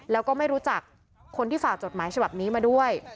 แล้วก็ไม่รู้จักคนที่ฝากจดหมายฉบับนี้มาด้วย